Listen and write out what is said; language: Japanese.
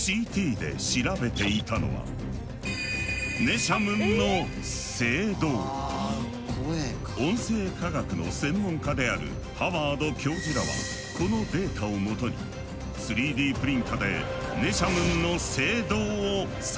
ＣＴで調べていたのはネシャムンの音声科学の専門家であるハワード教授らはこのデータをもとに３Ｄプリンターでネシャムンの声道を再現。